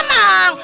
iya pak rt